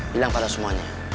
bilang pada semuanya